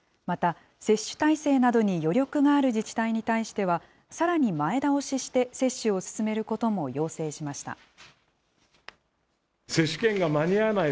また、接種体制などに余力がある自治体に対しては、さらに前倒しして接種を進めることも要請しました。